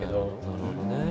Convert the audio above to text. なるほどね。